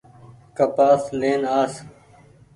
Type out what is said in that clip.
ڪپآس لين آس۔